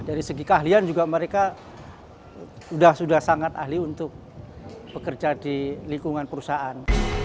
dari segi keahlian juga mereka sudah sangat ahli untuk bekerja di lingkungan perusahaan